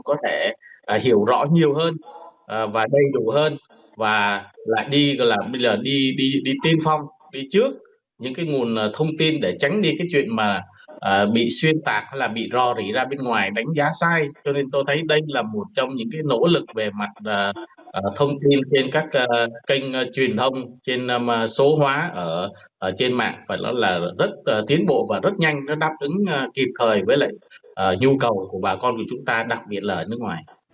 có thể hiểu rõ nhiều hơn và đầy đủ hơn và là đi gọi là đi đi đi tiên phong đi trước những cái nguồn thông tin để tránh đi cái chuyện mà bị xuyên tạc là bị rò rỉ ra bên ngoài đánh giá sai cho nên tôi thấy đây là một trong những cái nỗ lực về mặt thông tin trên các kênh truyền thông trên số hóa ở trên mạng phải nói là rất tiến bộ và rất nhanh nó đáp ứng kịp thời với lại nhu cầu của bà con của chúng ta đặc biệt là